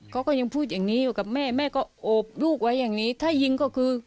เขาก็ยังพูดอย่างนี้อยู่กับแม่แม่ก็โอบลูกไว้อย่างนี้ถ้ายิงก็คือ